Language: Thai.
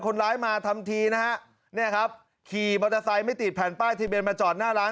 คนร้ายมาทำทีนะฮะเนี่ยครับขี่มอเตอร์ไซค์ไม่ติดแผ่นป้ายทะเบียนมาจอดหน้าร้าน